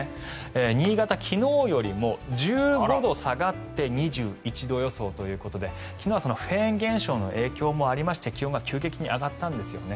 新潟、昨日よりも１５度下がって２１度予想ということで昨日はフェーン現象の影響もありまして気温が急激に上がったんですよね。